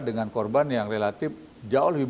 dengan korban yang relatif jauh lebih